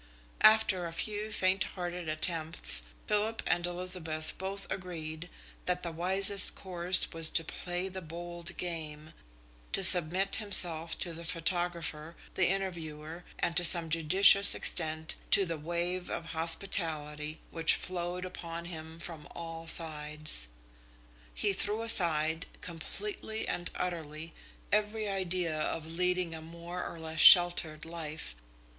After a few faint hearted attempts, Philip and Elizabeth both agreed that the wisest course was to play the bold game to submit himself to the photographer, the interviewer, and, to some judicious extent, to the wave of hospitality which flowed in upon him from all sides. He threw aside, completely and utterly, every idea of leading a more or less sheltered life.